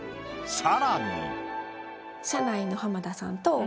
さらに。